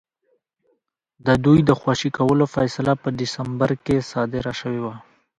د دوی د خوشي کولو فیصله په ډسمبر کې صادره شوې وه.